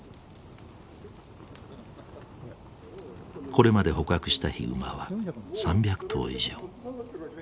これまで捕獲したヒグマは３００頭以上。